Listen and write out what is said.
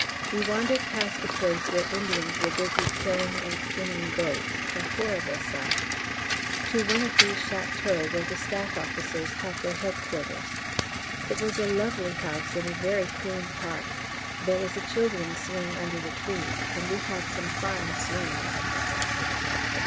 We wandered past a place where Indians were busy killing and skinning goats a horrible sight to one of these châteaux where the staff officers have their headquarters: it was a lovely house in a very clean park; there was a children's swing under the trees and we had some fine swings.